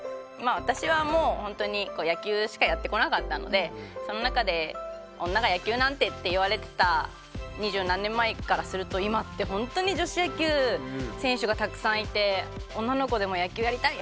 私はもう本当に野球しかやってこなかったのでその中で女が野球なんてって言われてた二十何年前からすると今って本当に女子野球選手がたくさんいて「女の子でも野球やりたい」